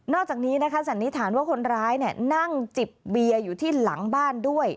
อกจากนี้นะคะสันนิษฐานว่าคนร้ายนั่งจิบเบียร์อยู่ที่หลังบ้านด้วย